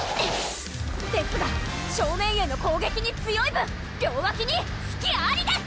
ですが正面への攻撃に強い分両脇に隙ありです！